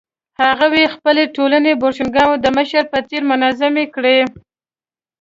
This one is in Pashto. هغوی خپلې ټولنې د بوشونګانو د مشر په څېر منظمې کړې.